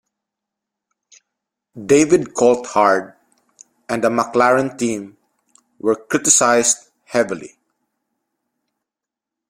David Coulthard and the McLaren team were criticized heavily.